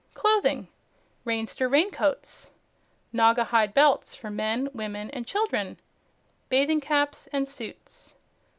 CLOTHING Raynster Raincoats. Naugahyde Belts for Men, Women and Children. Bathing Caps and Suits.